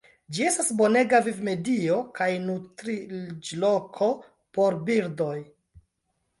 Ĝi estas bonega vivmedio kaj nutriĝloko por birdoj.